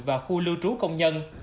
và khu lưu trú công nhân